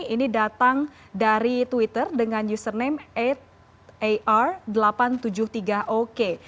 ini datang dari twitter dengan username delapan ar delapan ratus tujuh puluh tiga ok